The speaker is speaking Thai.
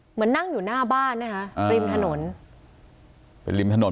เหมือนนั่งอยู่หน้าบ้านนึงลิมถนน